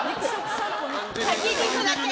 炊き肉だけ。